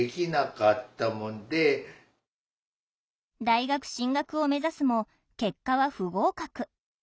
大学進学を目指すも結果は不合格。